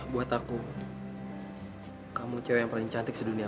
buat aku kamu cewek yang paling cantik di dunia